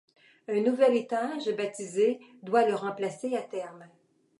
Un nouvel étage baptisé doit le remplacer à terme.